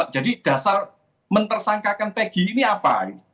jadi dasar mentersangkakan peggy ini apa